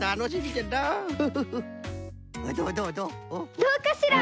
どうかしら？